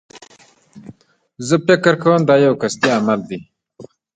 زه فکر کوم دایو قصدي عمل دی.